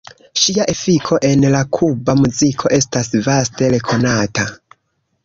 Ŝia efiko en la kuba muziko estas vaste rekonata.